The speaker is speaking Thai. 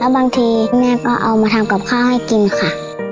บางทีแม่ก็เอามาทำกับข้าวให้กินค่ะ